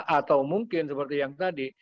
atau mungkin seperti yang tadi